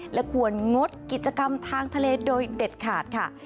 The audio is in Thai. และควรงดกิจกรรมทางทะเลโดยเด็ดขาดค่ะ